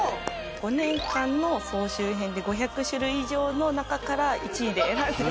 ５年間の総集編で５００種類以上の中から１位で選んで。